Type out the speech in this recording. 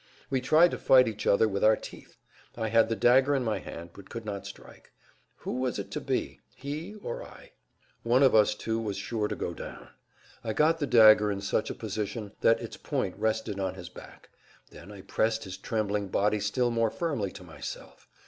We tried to fight each other with our teeth. I had the dagger in my hand, but could not strike. Who was it to be? He or I? One of us two was sure to go down. I got the dagger in such a position that its point rested on his back. Then I pressed his trembling body still more firmly to myself.